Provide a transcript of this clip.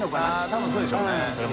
多分そうでしょうね。